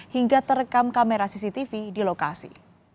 hingga terekam kamera cctv di lokasi